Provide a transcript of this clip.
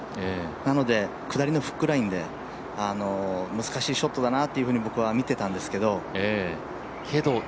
なので下りのフックラインで難しいショットだなというふうに僕は見てたんですけど。